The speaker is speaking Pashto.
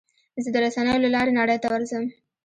زه د رسنیو له لارې نړۍ ته ورځم.